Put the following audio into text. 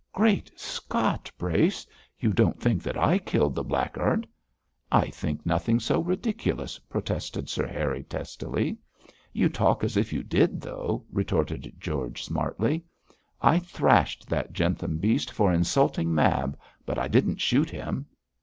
'Great Scott, Brace! you don't think that I killed the blackguard?' 'I think nothing so ridiculous,' protested Sir Harry, testily. 'You talk as if you did, though,' retorted George, smartly. 'I thrashed that Jentham beast for insulting Mab, but I didn't shoot him.'